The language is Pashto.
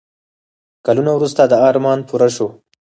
کلونه وروسته دا ارمان پوره شو.